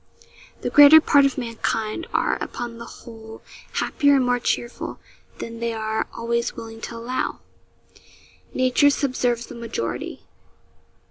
The greater part of mankind are, upon the whole, happier and more cheerful than they are always willing to allow. Nature subserves the majority.